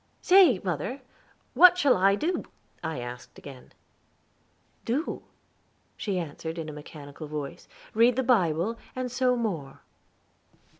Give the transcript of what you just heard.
"Say, mother, what shall I do?" I asked again. "Do," she answered in a mechanical voice; "read the Bible, and sew more."